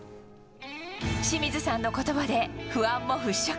清水さんの言葉で不安も払拭。